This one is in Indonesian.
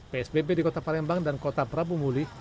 psbb di kota palembang dan kota prabu muli